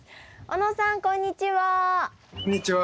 小野さんこんにちは。